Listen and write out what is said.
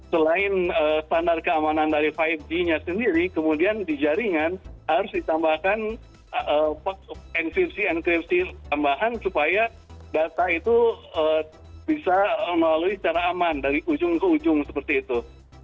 selain standar keamanan dari lima g nya sendiri kemudian di jaringan harus ditambahkan encripsi enkripsi tambahan supaya data itu bisa melalui secara aman dari ujung ke ujung seperti itu